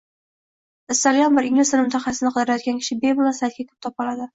Istalgan bir ingliz tili mutaxassisini qidirayotgan kishi bemalol saytga kirib, topa oladi.